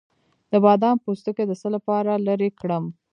د بادام پوستکی د څه لپاره لرې کړم؟